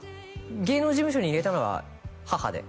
芸能事務所に入れたのは母で